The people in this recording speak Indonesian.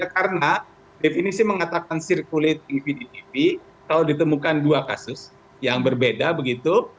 karena definisi mengatakan circulating vdpv kalau ditemukan dua kasus yang berbeda begitu